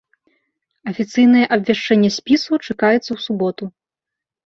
Афіцыйнае абвяшчэнне спісу чакаецца ў суботу.